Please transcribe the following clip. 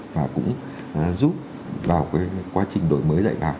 và cũng giúp vào cái quá trình đổi mới dạy và học